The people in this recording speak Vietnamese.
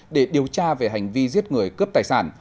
để điều tra về hành vi giết người cướp tài sản